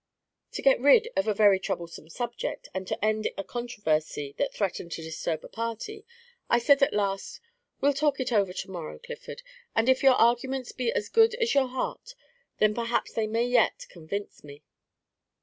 To get rid of a very troublesome subject, and to end a controversy that threatened to disturb a party, I said at last, 'We 'll talk it over to morrow, Clifford, and if your arguments be as good as your heart, then perhaps they may yet convince me.'